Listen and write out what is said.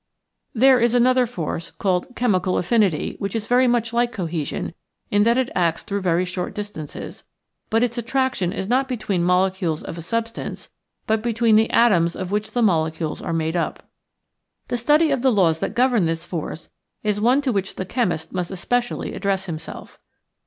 There is another force, called Chemical Affinity, which is very much like cohesion in that it acts through very short distances, but its attraction is not between the mole cules of a substance, but between the atoms of which the molecules are made up. The study of the laws that govern this force is one to which the chemist must especially address himself.